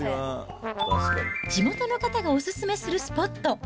地元の方がお勧めするスポット。